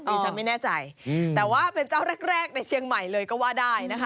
ดิฉันไม่แน่ใจแต่ว่าเป็นเจ้าแรกในเชียงใหม่เลยก็ว่าได้นะคะ